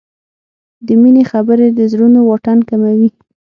د مینې خبرې د زړونو واټن کموي.